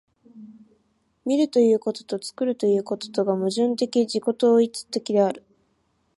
見るということと作るということとが矛盾的自己同一的である。